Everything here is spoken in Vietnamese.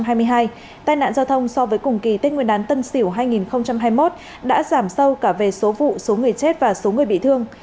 tai nạn giao thông so với cùng kỳ tết nguyên đán tân sỉu hai nghìn hai mươi một đã giảm sâu cả về số vụ số người chết và số người bị thương